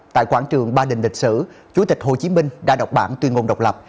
tại quảng trường ba đình lịch sử chủ tịch hồ chí minh đã đọc bản tuyên ngôn độc lập